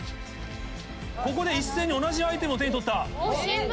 ここで一斉に同じアイテムを手に取った。